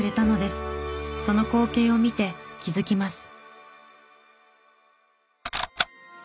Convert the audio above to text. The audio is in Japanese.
その光景を見て気づきます。